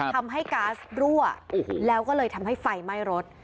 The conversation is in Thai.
ก๊าซรั่วแล้วก็เลยทำให้ไฟไหม้รถ